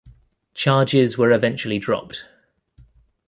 Charges were eventually dropped.